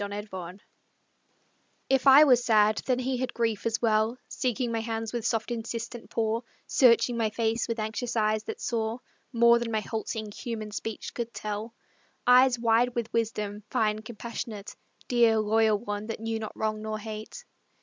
THE BEST FRIEND If I was sad, then he had grief, as well Seeking my hands with soft insistent paw, Searching my face with anxious eyes that saw More than my halting, human speech could tell; Eyes wide with wisdom, fine, compassionate Dear, loyal one, that knew not wrong nor hate.